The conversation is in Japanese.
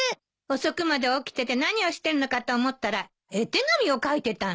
遅くまで起きてて何をしてんのかと思ったら絵手紙を書いてたの？